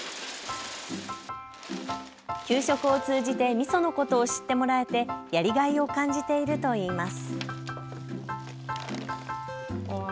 給食を通じて、みそのことを知ってもらえてやりがいを感じているといいます。